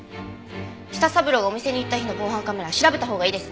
舌三郎がお店に行った日の防犯カメラ調べたほうがいいですね。